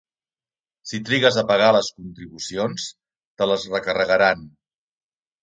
Si trigues a pagar les contribucions, te les recarregaran.